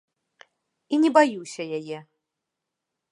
І не баюся яе.